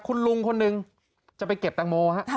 คุณลุงคนหนึ่งจะไปเก็บแตงโมฮะ